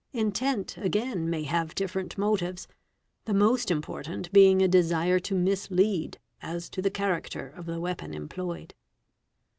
Intent again may have different motives, the most important being a desire to mislead as to the character of the weapon employed.